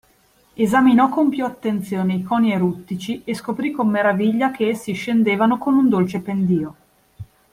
Esaminò con piú attenzione i coni eruttici e scoprì con meraviglia che essi scendevano con un dolce pendio.